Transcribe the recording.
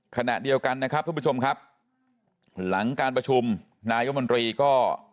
คณะเดียวกันทุกผู้ชมหลังการประชุมนายกรมนตรีก็